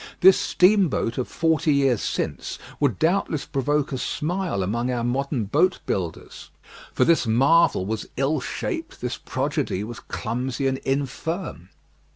This steamboat of forty years since would doubtless provoke a smile among our modern boat builders; for this marvel was ill shaped; this prodigy was clumsy and infirm.